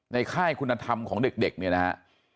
ค่ายคุณธรรมของเด็กเนี่ยนะฮะ